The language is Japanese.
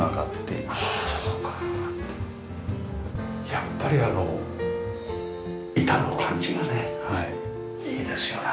やっぱりあの板の感じがねいいですよね。